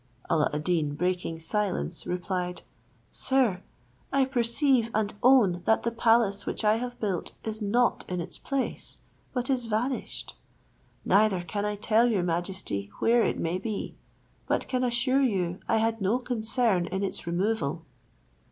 Alla ad Deen, breaking silence, replied, "Sir, I perceive and own that the palace which I have built is not in its place, but is vanished; neither can I tell your majesty where it may be, but can assure you I had no concern in its removal."